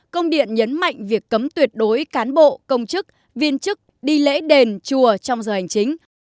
công điện nhấn mạnh việc cấm tuyệt đối cán bộ công chức viên chức đi lễ đền chùa trong giờ hành chính